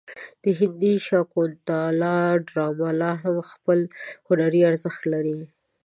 د هندي شاکونتالا ډرامه لا هم خپل هنري ارزښت لري.